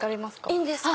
いいんですか。